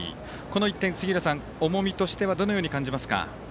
この１点、重みとしてはどのように感じますか。